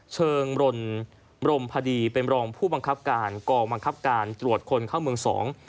เชิงรนรมพดีเป็นรองผู้บังคับการกองบังคับการตรวจคนเข้าเมืองสอง